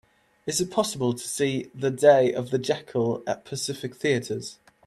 Is it possible to see The Day of the Jackal at Pacific Theatres